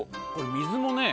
水もね